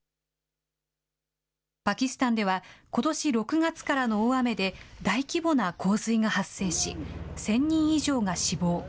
パキスタンではことし６月からの大雨で、大規模な洪水が発生し、１０００人以上が死亡。